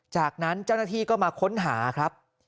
จากนั้นเจ้าหน้าที่ก็มาค้นหาครับ